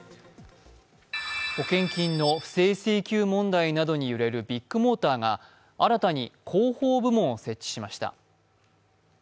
保険金の不正請求問題などに揺れるビッグモーターが新たに広報部門を設置しました。